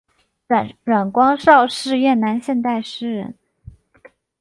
阮光韶是越南现代诗人。